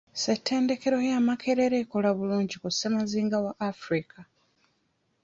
Ssettendekero ya Makerere ekola bulungi ku ssemazinga wa Africa.